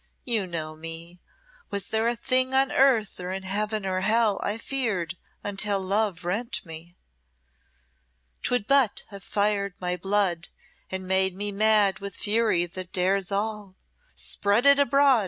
You know me. Was there a thing on earth or in heaven or hell I feared until love rent me. 'Twould but have fired my blood, and made me mad with fury that dares all. 'Spread it abroad!'